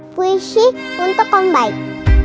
puisi untuk om baik